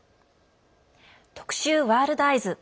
特集「ワールドＥＹＥＳ」。